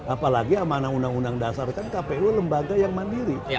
apalagi amanah undang undang dasar kan kpu lembaga yang mandiri